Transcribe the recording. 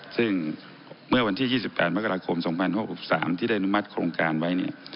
ซึ่งเมื่อวันที่๒๘มกราคม๒๐๖๓ที่ได้อนุมัติโครงการไว้